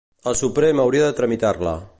El Suprem hauria de tramitar-la.